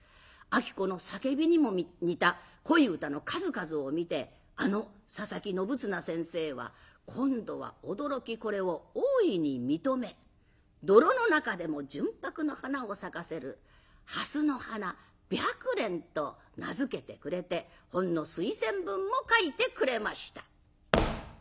子の叫びにも似た恋歌の数々を見てあの佐佐木信綱先生は今度は驚きこれを大いに認め泥の中でも純白の花を咲かせる蓮の花「白蓮」と名付けてくれて本の推薦文も書いてくれました。